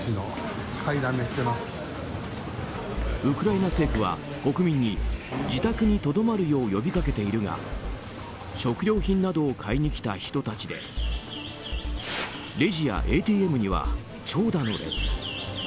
ウクライナ政府は国民に自宅にとどまるよう呼びかけているが食料品などを買いに来た人たちでレジやＡＴＭには長蛇の列。